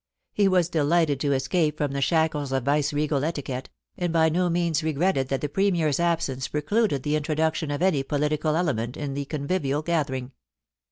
He was delighted to escape from the shackles of viceregal etiquette, and by no means regretted that the Premier's absence pre cluded the introduction of any political element into the convivial gathering.